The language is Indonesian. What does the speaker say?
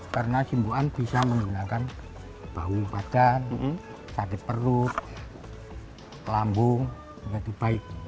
karena simbukan bisa menggunakan bau badan sakit perut telambung jadi baik